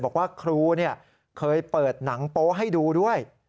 บอกว่าครูเคยเปิดหนังโป๊ให้ดูด้วย